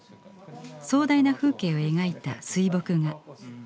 壮大な風景を描いた水墨画。